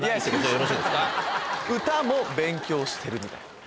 歌も勉強してるみたいな。